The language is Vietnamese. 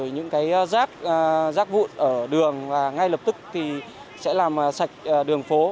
những rác vụn ở đường và ngay lập tức sẽ làm sạch đường phố